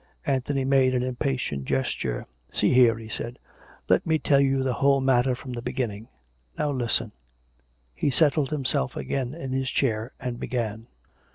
Anthony made an impatient gesture. " See here," he said. " Let me tell you the whole matter from the beginning. Now listen." He settled himself again in his chair, and began.